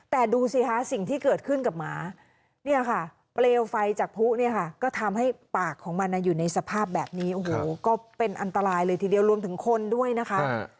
แต่ดูสิคะสิ่งที่เกิดขึ้นกับหมาเนี่ยค่ะเปลวไฟจากผู้เนี่ยค่ะก็ทำให้ปากของมันอยู่ในสภาพแบบนี้โอ้โหก็เป็นอันตรายเลยทีเดียวรวมถึงคนด้วยนะคะ